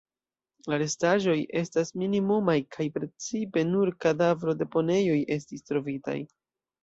La restaĵoj estas minimumaj kaj precipe nur kadavro-deponejoj estis trovitaj.